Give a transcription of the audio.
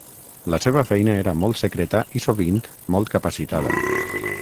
La seva feina era molt secreta i sovint molt capacitada.